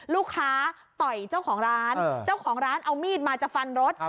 ต่อยเจ้าของร้านเจ้าของร้านเอามีดมาจะฟันรถ